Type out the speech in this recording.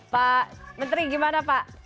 pak menteri gimana pak